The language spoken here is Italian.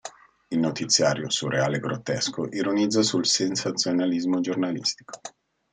Il notiziario, surreale e grottesco, ironizza sul sensazionalismo giornalistico.